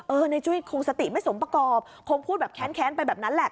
ในจุ้ยคงสติไม่สมประกอบคงพูดแบบแค้นไปแบบนั้นแหละ